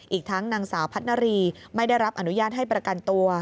อีกทั้งนางสาวพัฒนารีไม่ได้รับอนุญาตให้ประกันตัว